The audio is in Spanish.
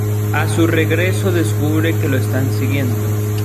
A su regreso, descubre que lo están siguiendo.